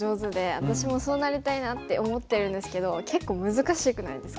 私もそうなりたいなって思ってるんですけど結構難しくないですか？